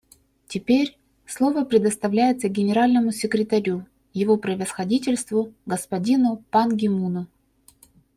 Теперь слово предоставляется Генеральному секретарю, Его Превосходительству господину Пан Ги Муну.